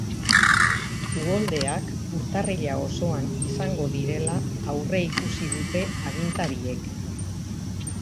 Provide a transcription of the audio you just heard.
Uholdeak urtarrila osoan izango direla aurreikusi dute agintariek.